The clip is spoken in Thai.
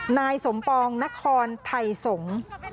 นายสมปองนครไถ่สง